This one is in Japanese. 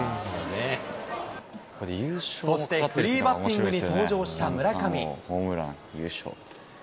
そしてフリーバッティングに登場した村上。